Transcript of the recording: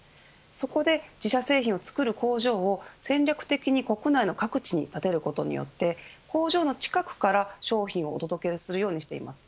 そこで自社製品を作る工場を戦略的に国内の各地に建てることで工場の近くから商品をお届けするようにしています。